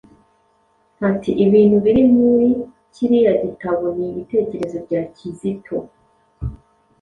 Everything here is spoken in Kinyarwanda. ati: "Ibintu biri muri kiriya gitabo ni ibitekerezo bya Kizito.